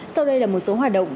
sau đây là một số hoạt động